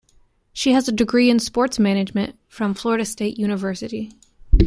She has a degree in sports management from Florida State University.